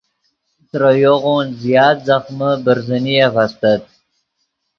ترے یوغون زیات ځخمے برزنیف استت